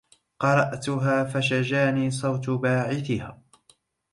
قرأتها فشجاني صوت باعثها